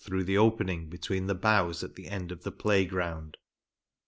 27 and through the opening between the boughs at the end of the play ground.